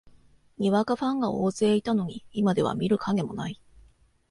にわかファンが大勢いたのに、今では見る影もない